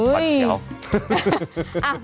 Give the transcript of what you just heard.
แมวแรงเหนียว